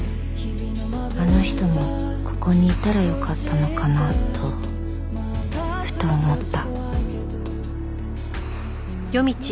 あの人もここにいたらよかったのかなとふと思った